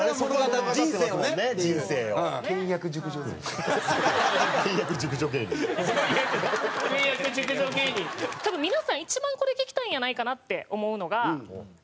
多分皆さん一番これ聞きたいんやないかなって思うのが。